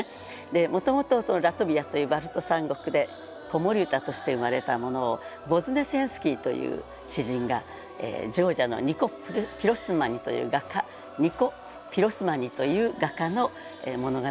でもともとラトビアというバルト三国で子守歌として生まれたものをボズネセンスキーという詩人がジョージアのニコ・ピロスマニという画家の物語として翻訳しました。